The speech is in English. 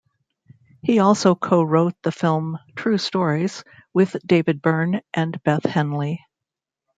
He also co-wrote the film "True Stories" with David Byrne and Beth Henley.